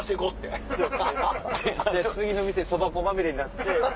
次の店蕎麦粉まみれになって。